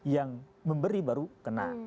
yang memberi baru kena